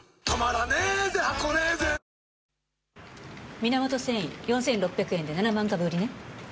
ミナモト繊維４６００円で７万株売りね。